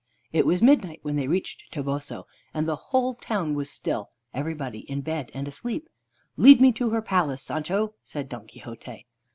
It was midnight when they reached Toboso, and the whole town was still, everybody in bed and asleep. "Lead me to her palace, Sancho," said Don Quixote.